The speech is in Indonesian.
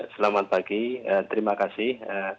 selamat pagi terima kasih